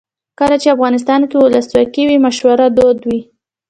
کله چې افغانستان کې ولسواکي وي مشوره دود وي.